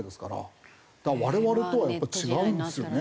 我々とはやっぱ違うんですよね。